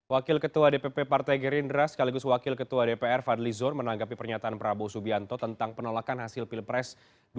wakil ketua dpp partai gerindra sekaligus wakil ketua dpr fadli zon menanggapi pernyataan prabowo subianto tentang penolakan hasil pilpres dua ribu sembilan belas